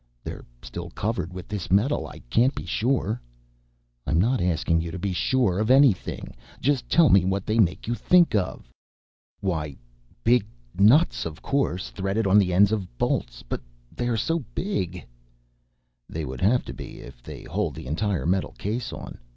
"They're still covered with this metal, I can't be sure " "I'm not asking you to be sure of anything just tell me what they make you think of." "Why ... big nuts of course. Threaded on the ends of bolts. But they are so big " "They would have to be if they hold the entire metal case on.